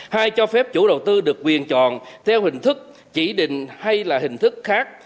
hai cho phép chủ đầu tư được quyền chọn theo hình thức chỉ định hay là hình thức khác